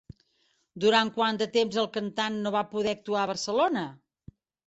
Durant quant de temps el cantant no va poder actuar a Barcelona?